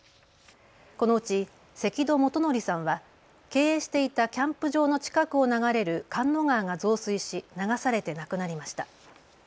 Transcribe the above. このうち関戸基法さんは経営していたキャンプ場の近くを流れる神之川が増水し流されて亡くなりました。